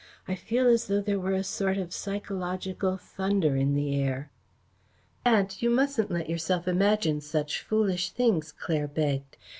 I feel as though there were a sort of psychological thunder in the air." "Aunt, you mustn't let yourself imagine such foolish things," Claire begged.